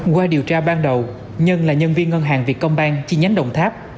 qua điều tra ban đầu nhân là nhân viên ngân hàng việt công bang chi nhánh đồng tháp